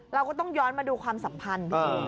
เราก็ต้องย้อนมาดูความสัมพันธ์